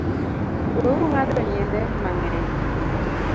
We uru ng’ado nyiende mang’eny